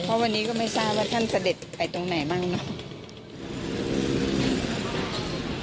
เพราะวันนี้ก็ไม่ทราบว่าท่านเสด็จไปตรงไหนบ้างเนาะ